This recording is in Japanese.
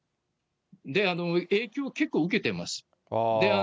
で、影響結構受けてます。